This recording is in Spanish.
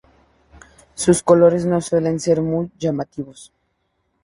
Sus colores no suelen ser muy llamativos.